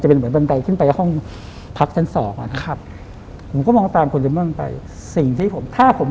ชี้มาที่ผม